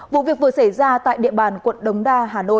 vụ việc vừa xảy ra tại địa bàn quận đồng đa